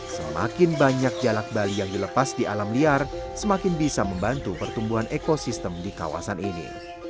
semakin banyak jalak bali yang dilepas di alam liar semakin bisa membantu pertumbuhan ekosistem di kawasan ini